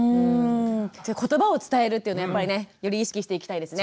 ことばを伝えるっていうのやっぱりねより意識していきたいですね。